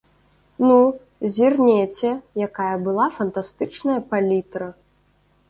Ну, зірнеце, якая была фантастычная палітра!